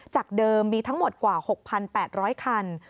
จากเดิมมีทั้งหมดกว่า๖๘๐๐คัน